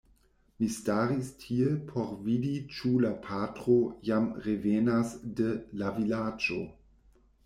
Mi staris tie por vidi ĉu la patro jam revenas de "la Vilaĝo".